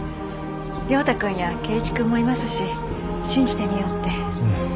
亮太くんや恵一くんもいますし信じてみようって。